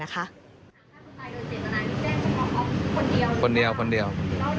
ถ้าคุณตายโดยเจ็ดตนายนายจะคงมองออฟต์คนเดียวหรือเปล่า